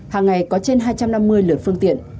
hàng ngày có trên hai trăm năm mươi lượt phương tiện